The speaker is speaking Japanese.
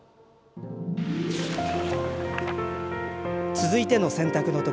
続いての選択の時。